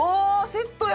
セットや！